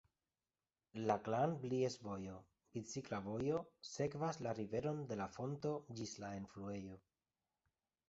La Glan-Blies-vojo, bicikla vojo, sekvas la riveron de la fonto ĝis la enfluejo.